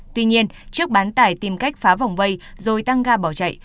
tuy nhiên chiếc bán tải tìm cách phá vòng vây rồi tăng ga bỏ chạy